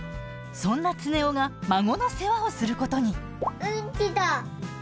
そんな常雄が孫の世話をすることに。